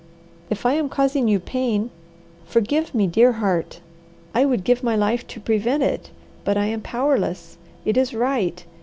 If I am causing you pain, forgive me, dear heart. I would give my life to prevent it, but I am powerless. It is right!